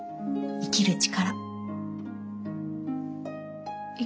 生きる力。